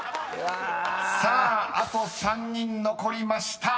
［さああと３人残りました］